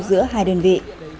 giữa hai đơn vị